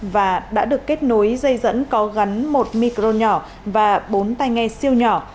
và đã được kết nối dây dẫn có gắn một micron nhỏ và bốn tay nghe siêu nhỏ